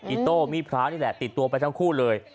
อิโต้มีดพระนี่แหละติดตัวไปทั้งคู่เลย